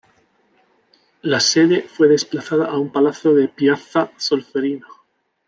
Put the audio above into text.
La sede fue desplazada a un palacio de piazza Solferino.